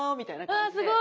わすごい！